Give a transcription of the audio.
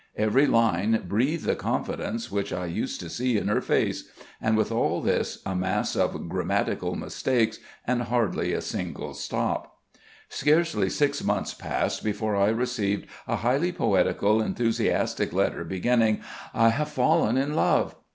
Every line breathed the confidence which I used to see in her face; and with all this a mass of grammatical mistakes and hardly a single stop. Scarce six months passed before I received a highly poetical enthusiastic letter, beginning, "I have fallen in love."